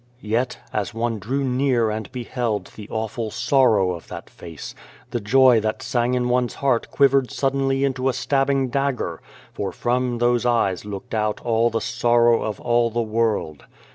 Yet, as one drew near and beheld the awful sorrow of that face, the joy that sang in one's heart quivered suddenly into a stabbing 134 Beyond the Door dagger, for from those eyes looked out all the sorrow of all the world.